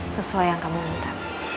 sesuai yang kamu minta